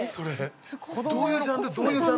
どういうジャンル？